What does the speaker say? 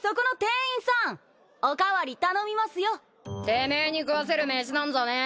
てめえに食わせる飯なんざねえ。